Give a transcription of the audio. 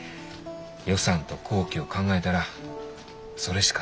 予算と工期を考えたらそれしか手はないき。